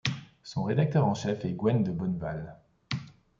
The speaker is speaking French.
Son rédacteur en chef est Gwen de Bonneval.